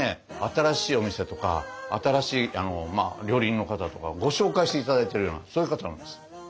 新しいお店とか新しい料理人の方とかご紹介して頂いているようなそういう方なんです。